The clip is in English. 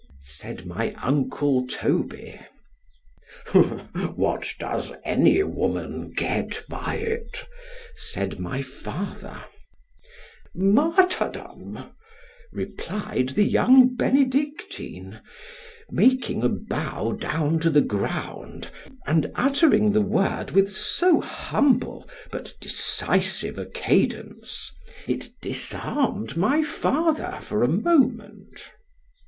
said my uncle Toby——What does any woman get by it? said my father——MARTYRDOME; replied the young Benedictine, making a bow down to the ground, and uttering the word with so humble, but decisive a cadence, it disarmed my father for a moment.